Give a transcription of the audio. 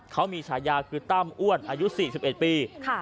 เขามีฉายาคือตั้มอ้วนอายุ๔๑ปี